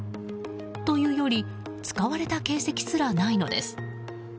というより使われた形跡すらないのです。